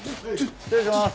失礼します。